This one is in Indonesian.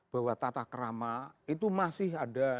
bahwa tata kerama itu masih ada di dunia no